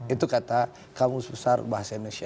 itu kata kamus besar bahasa indonesia